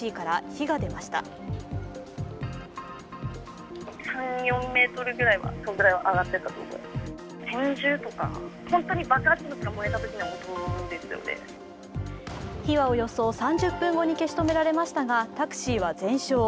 火はおよそ３０分後に消し止められましたが、タクシーは全焼。